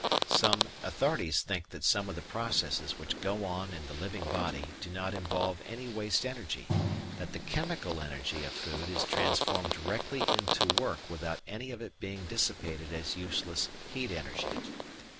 Some authorities think that some of the processes which go on in the living body do not involve any waste energy, that the chemical energy of food is transformed directly into work without any of it being dissipated as useless heat energy.